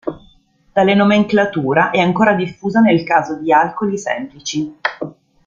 Tale nomenclatura è ancora diffusa nel caso di alcoli semplici.